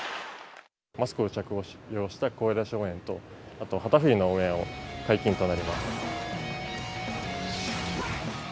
マスクを着用した声出し応援と、あと、旗振りの応援を解禁となります。